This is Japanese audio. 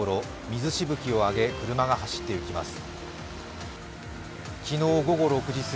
水しぶきを上げ、車が走っていきます。